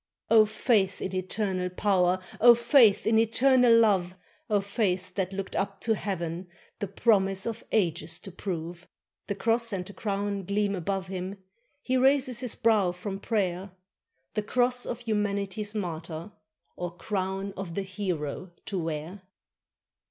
O faith in Eternal Power! O faith in Eternal Love! O faith that looked up to heaven The promise of ages to prove! The cross and the crown gleam above him ; He raises his brow from prayer, The cross of humanity's martyr Or crown of the hero to wear.